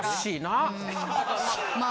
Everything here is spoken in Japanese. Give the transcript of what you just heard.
まあ。